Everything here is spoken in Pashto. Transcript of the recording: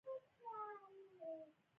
وايې زه یې چا لره وهم قدر يې چا زده.